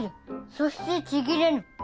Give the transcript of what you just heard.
そしてちぎれぬ。